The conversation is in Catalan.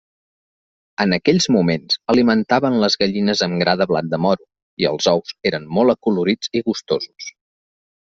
En aquells moments alimentaven les gallines amb gra de blat de moro, i els ous eren molt acolorits i gustosos.